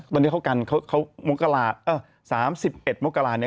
ตอนนี้เขากันเขามกราศาสตร์๓๑มกราศาสตร์เนี่ย